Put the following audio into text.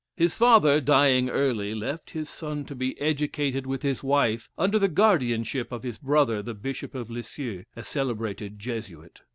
His father dying early, left his son to be educated with his wife, under the guardianship of his brother, the Bishop of Lisieux, a celebrated Jesuit.